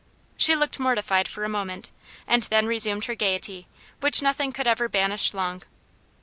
She looked mortified for a moment, and then resumed her gaiety, which nothing could ever banish long.